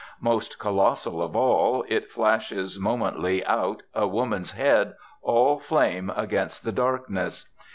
Most colossal of all, it flashes momently out, a woman's head, all flame against the darkness.